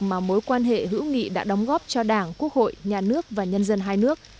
mà mối quan hệ hữu nghị đã đóng góp cho đảng quốc hội nhà nước và nhân dân hai nước